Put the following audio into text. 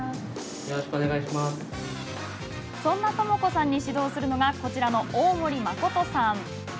そんなともこさんに指導するのがこちらの大森誠さん。